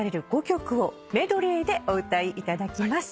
５曲をメドレーでお歌いいただきます。